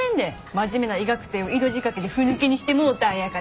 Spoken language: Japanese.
真面目な医学生を色仕掛けでふぬけにしてもうたんやから。